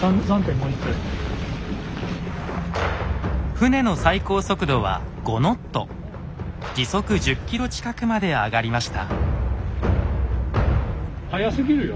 船の最高速度は５ノット時速１０ｋｍ近くまで上がりました。